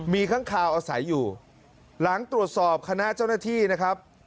มีค้างคาวอาศัยอยู่หลังตรวจสอบคณะเจ้าหน้าที่นะครับ